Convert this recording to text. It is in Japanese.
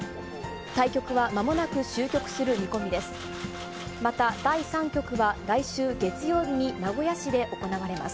対局はまもなく終局する見込みです。